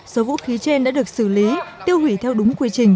số vũ khí trên đã được xử lý tiêu hủy theo đúng quy trình